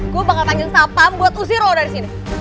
gue bakal tanggil siapa buat usir lo dari sini